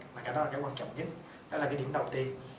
và cái đó cái quan trọng nhất đó là cái điểm đầu tiên